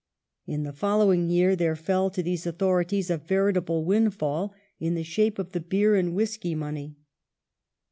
In the following year there fell to these authorities a veritable windfall in the shape of the Beer and Whisky money